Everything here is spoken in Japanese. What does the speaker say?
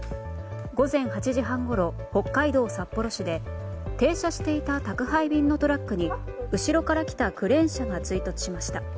午前８時半ごろ北海道札幌市で停車していた宅配便のトラックに後ろから来たクレーン車が追突しました。